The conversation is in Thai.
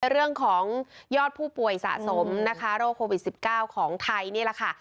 เรื่องของยอดผู้ป่วยสะสมนะคะโรคโควิด๑๙ของไทยนี่แหละค่ะ